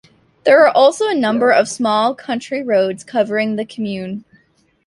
There are also a number of small country roads covering the commune.